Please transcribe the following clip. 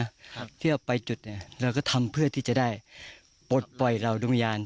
ครับเท่าไหร่ไปจุดเนี้ยเราก็ทำเพื่อที่จะได้ปลดไฟเราดุงยาน